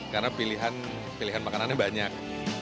karena pilihan pilihan makanannya banyak